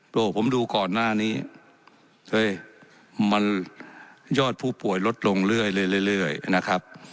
บอกผมดูก่อนหน้านี้มันยอดผู้ป่วยลดลงเรื่อยนะครับ